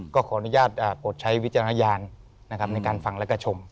ก็ขออนุญาตโปรดใช้วิจารณญาณนะครับในการฟังแล้วก็ชม